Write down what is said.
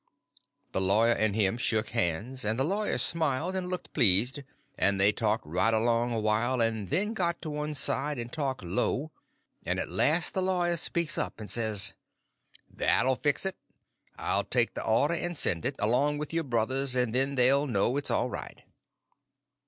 The lawyer and him shook hands, and the lawyer smiled and looked pleased, and they talked right along awhile, and then got to one side and talked low; and at last the lawyer speaks up and says: "That 'll fix it. I'll take the order and send it, along with your brother's, and then they'll know it's all right."